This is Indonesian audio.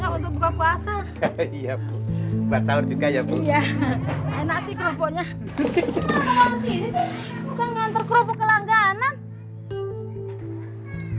bukan nganter kerupuk ke langganan